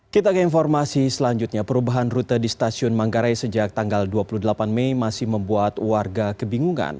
kita ke informasi selanjutnya perubahan rute di stasiun manggarai sejak tanggal dua puluh delapan mei masih membuat warga kebingungan